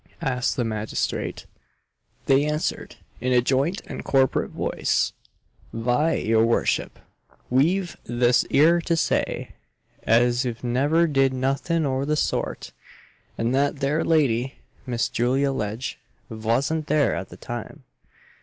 asked the magistrate. They answered "in a joint and corporate voice," "Vy, your Vorship, ve've this 'ere to say as ve never did nuthin o' the sort; and that there lady (Miss Julia Legge) vasn't there at the time."